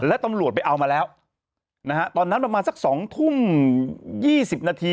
และตำรวจไปเอามาแล้วนะฮะตอนนั้นประมาณสัก๒ทุ่ม๒๐นาที